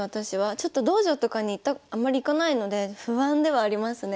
ちょっと道場とかにあまり行かないので不安ではありますね。